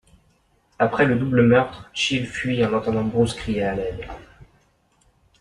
Après le double-meurtre Chill fuit en entendant Bruce crier à l'aide.